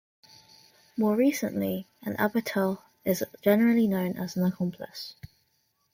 More recently, an abettor is generally known as an accomplice.